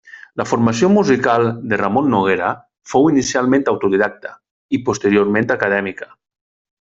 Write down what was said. La formació musical de Ramon Noguera fou inicialment autodidacta i posteriorment acadèmica.